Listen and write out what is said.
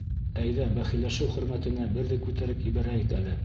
Әйҙә бәхилләшеү хөрмәтенә берҙе күтәреп ебәрәйек әле!